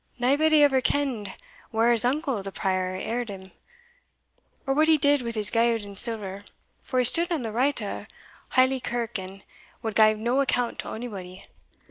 Naebody ever kenn'd whare his uncle the prior earded him, or what he did wi' his gowd and silver, for he stood on the right o' halie kirk, and wad gie nae account to onybody.